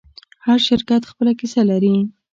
هر شرکت خپله کیسه لري.